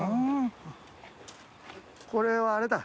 ・これはあれだ。